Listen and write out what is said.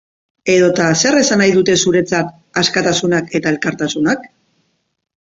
Edota, zer esanahi dute zuretzat askatasunak eta elkartasunak?